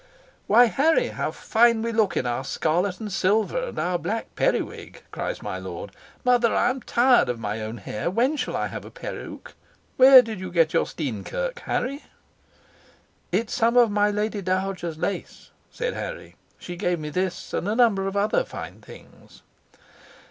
"Why, Harry, how fine we look in our scarlet and silver, and our black periwig," cries my lord. "Mother, I am tired of my own hair. When shall I have a peruke? Where did you get your steenkirk, Harry?" "It's some of my Lady Dowager's lace," says Harry; "she gave me this and a number of other fine things."